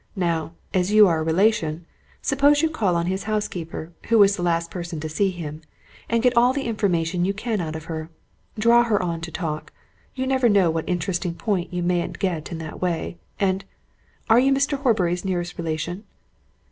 Now, as you are a relation, suppose you call on his housekeeper, who was the last person to see him, and get all the information you can out of her? Draw her on to talk you never know what interesting point you mayn't get in that way. And are you Mr. Horbury's nearest relation?"